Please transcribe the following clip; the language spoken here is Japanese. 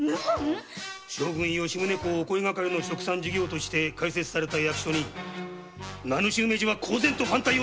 将軍お声がかりの殖産事業として開設された役所に名主・梅治は公然と反対した。